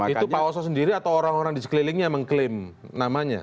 itu pak oso sendiri atau orang orang di sekelilingnya mengklaim namanya